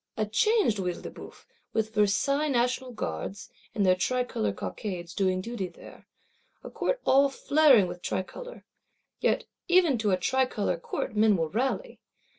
A changed Œil de Bœuf; with Versailles National Guards, in their tricolor cockades, doing duty there; a Court all flaring with tricolor! Yet even to a tricolor Court men will rally.